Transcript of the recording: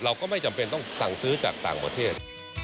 เราก็ไม่จำเป็นต้องสั่งซื้อจากต่างประเทศ